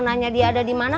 kita mau nanya dia ada dimana